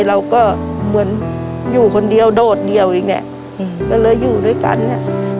เราก็เหมือนอยู่คนเดียวโดดเดียวอีกเนี่ยก็เลยอยู่ด้วยกันเนี่ย